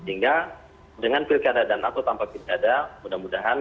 sehingga dengan pilkada dan atau tanpa pilkada mudah mudahan